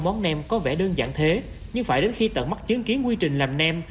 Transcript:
món nêm có vẻ đơn giản thế nhưng phải đến khi tận mắt chứng kiến quy trình làm nêm